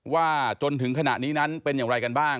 ว่าจนถึงขณะนี้นั้นเป็นอย่างไรกันบ้าง